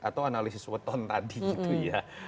atau analisis weton tadi gitu ya